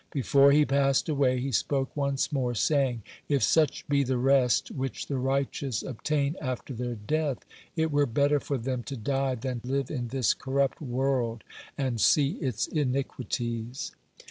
Before he passed away, he spoke once more, saying: "If such be the rest which the righteous obtain after their death, it were better for them to die than live in this corrupt world and see its iniquities."